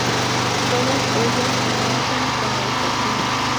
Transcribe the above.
Todas ellas enlazan con la estación.